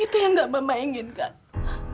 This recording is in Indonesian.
itu yang gak mama inginkan